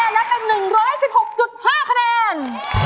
๑๒๖๕คะแนนแล้วกัน๑๑๖๕คะแนน